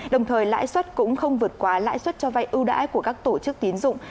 đồng thời lãi suất cũng không vượt qua lãi suất cho vay ưu đãi của các tổ chức tín dụng